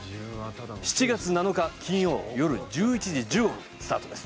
７月７日金曜よる１１時１５分スタートです。